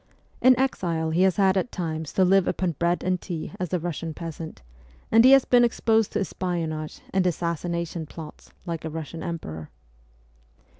In exile he has had at times to live upon bread and tea as a Eussian peasant ; and he has been exposed to espionage and assassination plots like a Eussian emperor.